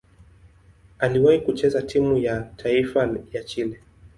Aliwahi kucheza timu ya taifa ya Chile.